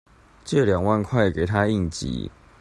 借兩萬塊給她應急